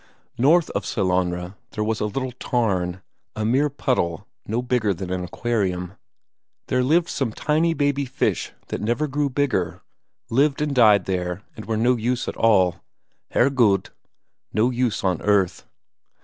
North of Sellanraa there was a little tarn, a mere puddle, no bigger than an aquarium. There lived some tiny baby fish that never grew bigger, lived and died there and were no use at all Herregud! no use on earth.